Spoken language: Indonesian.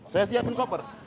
saya siapin koper